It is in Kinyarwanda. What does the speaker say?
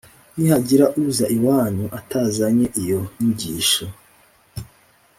Nihagira uza iwanyu atazanye iyo nyigisho